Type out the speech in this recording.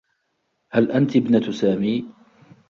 هل أنتِ ابنة سامي؟